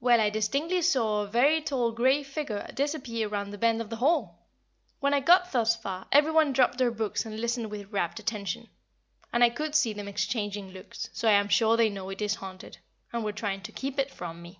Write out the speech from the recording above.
Well, I distinctly saw a very tall grey figure disappear round the bend of the hall! When I got thus far every one dropped their books and listened with rapt attention, and I could see them exchanging looks, so I am sure they know it is haunted, and were trying to keep it from me.